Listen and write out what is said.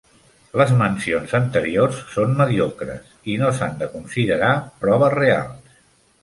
Les mencions anteriors són mediocres, i no s'han de considerar proves reals.